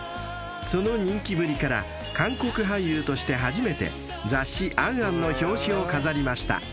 ［その人気ぶりから韓国俳優として初めて雑誌『ａｎａｎ』の表紙を飾りました］